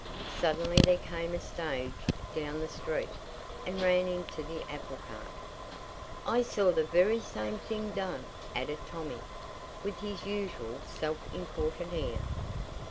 Suddenly there came a stage down the street, and ran into the apple cart." "I saw the very same thing done," added Tommy, with his usual self important air.